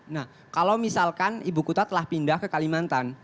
nah kalau misalkan ibu kota telah pindah ke kalimantan